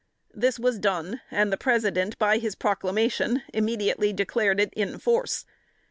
This was done, and the President by his proclamation immediately declared it in force.